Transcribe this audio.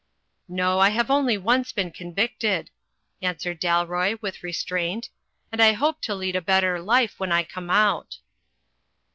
"No; I have only once been convicted," answered Dalroy, with restraint, "and I hope to lead a better life when I come out."